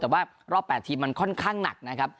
แต่ว่ารอบ๘ทีมมันค่อนข้างหนักนะครับ